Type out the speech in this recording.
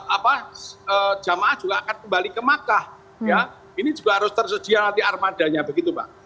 apa jamaah juga akan kembali ke makkah ya ini juga harus tersedia nanti armadanya begitu pak